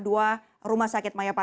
terima kasih banyak